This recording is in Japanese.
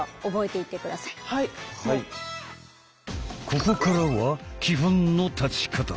ここからは基本の立ち方。